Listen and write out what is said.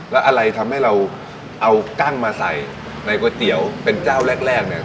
แล้วอะไรทำให้เราเอากั้งมาใส่ในก๋วยเตี๋ยวเป็นเจ้าแรกเนี่ย